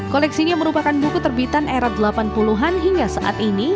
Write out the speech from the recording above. koleksinya merupakan buku terbitan era delapan puluh an hingga saat ini